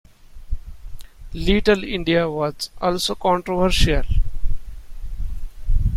Little India was also controversial.